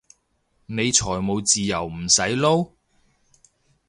你財務自由唔使撈？